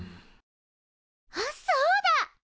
あっそうだ！